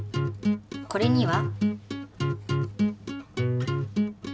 これには。